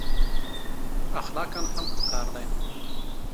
اخلاقأ هم ښه کار دی.